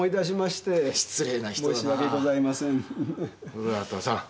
古畑さん。